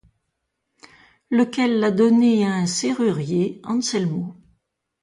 Lequel l'a donnée à un serrurier, Anselmo.